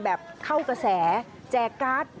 เข้ากระแสแจกการ์ด